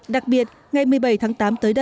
đặc biệt ngày một mươi bảy tháng tám